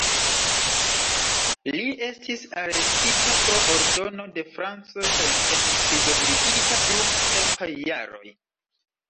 Li estis arestita pro ordono de Franco kaj enprizonigita dum kelkaj jaroj.